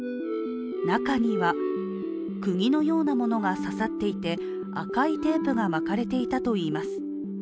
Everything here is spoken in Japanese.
中には、くぎのようなものが刺さっていて赤いテープが巻かれていたといいます。